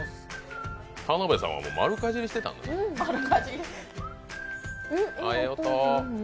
田辺さんは丸かじりしてたんだね、ええ音。